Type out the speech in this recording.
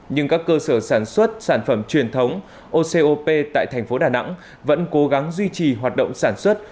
nhưng các cơ sở sản xuất sản phẩm truyền thống ocop tại thành phố đà nẵng vẫn cố gắng duy trì hoạt động sản xuất